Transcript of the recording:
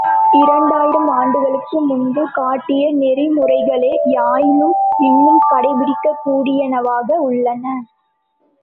இரண்டாயிரம் ஆண்டுகளுக்கு முன்பு காட்டிய நெறிமுறைகளே யாயினும் இன்னும் கடைப்பிடிக்கக்கூடியனவாக உள்ளன.